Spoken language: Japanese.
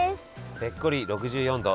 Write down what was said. ぺっこり６４度。